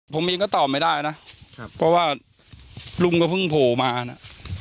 ผมเองก็ตอบไม่ได้นะครับเพราะว่าลุงก็เพิ่งโผล่มานะ